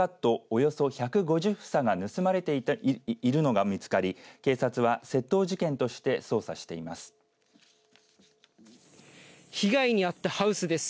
およそ１５０房が盗まれているのが見つかり警察は窃盗事件として捜査しています。